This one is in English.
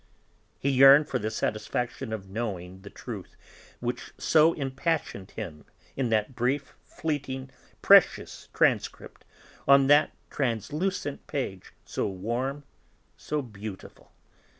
He yearned for the satisfaction of knowing the truth which so impassioned him in that brief, fleeting, precious transcript, on that translucent page, so warm, so beautiful.